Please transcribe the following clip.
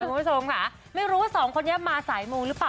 คุณผู้ชมค่ะไม่รู้ว่าสองคนนี้มาสายมูหรือเปล่า